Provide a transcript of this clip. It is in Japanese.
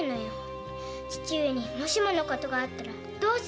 父上にもしものことがあったらどうすればいいの？